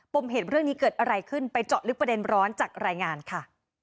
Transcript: มเหตุเรื่องนี้เกิดอะไรขึ้นไปเจาะลึกประเด็นร้อนจากรายงานค่ะ